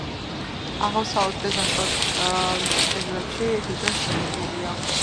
აღმოსავლეთ და დასავლეთ კედლებში თითო სათოფურია.